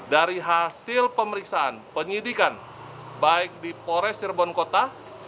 dari hasil pemeriksaan penyidikan baik di polres sirbonkota